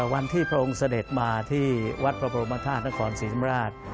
วันที่พระองค์เสด็จมาที่วัดพระบรมภาษณ์นครสิริมราช